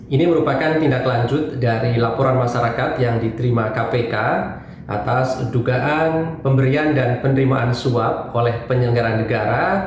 ini merupakan tindak lanjut dari laporan masyarakat yang diterima kpk atas dugaan pemberian dan penerimaan suap oleh penyelenggara negara